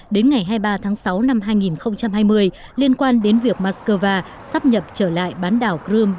đến ngày hai mươi ba tháng sáu năm hai nghìn hai mươi liên quan đến việc moscow sắp nhập trở lại bán đảo crimea